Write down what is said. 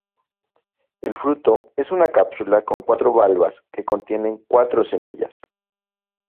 El fruto es una cápsula con cuatro valvas que contienen cuatro semillas.